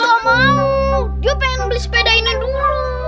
nggak mau dio pengen beli sepedainya dulu